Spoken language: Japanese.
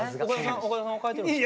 岡田さんは変えてるんですか？